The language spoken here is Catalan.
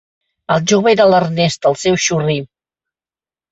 El jove era l'Ernest, el seu xurri.